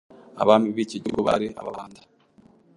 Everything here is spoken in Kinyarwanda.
Abami b'icyo gihugu bari Ababanda,